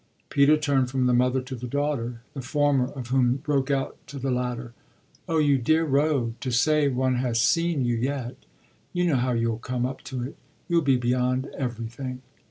Peter turned from the mother to the daughter, the former of whom broke out to the latter: "Oh you dear rogue, to say one has seen you yet! You know how you'll come up to it you'll be beyond everything."